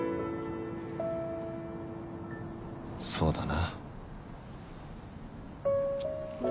そうだな。